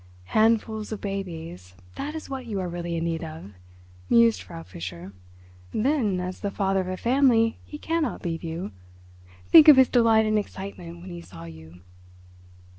"Handfuls of babies, that is what you are really in need of," mused Frau Fischer. "Then, as the father of a family he cannot leave you. Think of his delight and excitement when he saw you!"